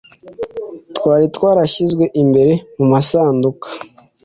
twari twarashyizwe imbere mu masanduka